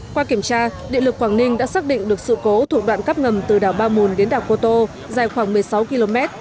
qua kiểm tra điện lực quảng ninh đã xác định được sự cố thuộc đoạn cắp ngầm từ đảo ba mùn đến đảo cô tô dài khoảng một mươi sáu km